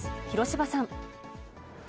広芝さん。